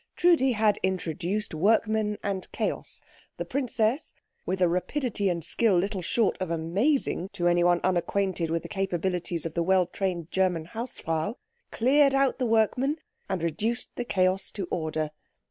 Trudi had introduced workmen and chaos; the princess, with a rapidity and skill little short of amazing to anyone unacquainted with the capabilities of the well trained German Hausfrau, cleared out the workmen and reduced the chaos to order.